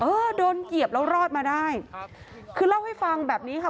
เออโดนเหยียบแล้วรอดมาได้คือเล่าให้ฟังแบบนี้ค่ะ